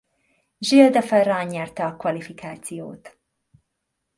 Gil de Ferran nyerte a kvalifikációt.